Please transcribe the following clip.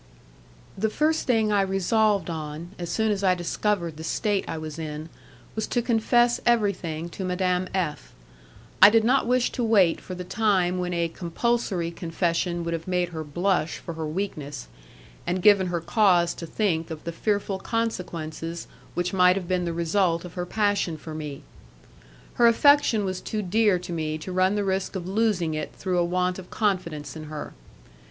The first thing I resolved on, as soon as I discovered the state I was in, was to confess everything to Madame F . I did not wish to wait for the time when a compulsory confession would have made her blush for her weakness, and given her cause to think of the fearful consequences which might have been the result of her passion for me. Her affection was too dear to me to run the risk of losing it through a want of confidence in her.